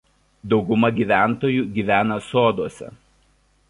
Dauguma gyventojų gyvena soduose.